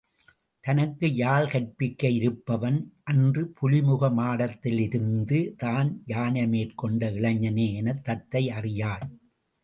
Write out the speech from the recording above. தனக்கு யாழ் கற்பிக்க இருப்பவன், அன்று புலிமுக மாடத்திலிருந்து தான் யானை மேற்கண்ட இளைஞனே எனத் தத்தை அறியாள்.